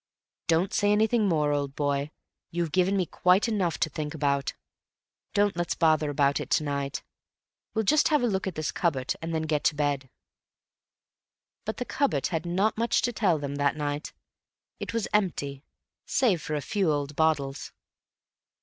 "Don't say anything more, old boy; you've given me quite enough to think about. Don't let's bother about it to night. We'll just have a look at this cupboard and then get to bed." But the cupboard had not much to tell them that night. It was empty save for a few old bottles.